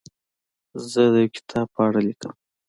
زه د یو کتاب په اړه لیکم.